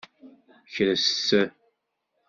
Kres.